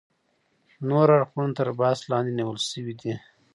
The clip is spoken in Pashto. نور اړخونه تر بحث لاندې نیول شوي دي.